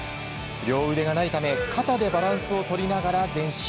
両腕がないため肩でバランスを取りながら前進。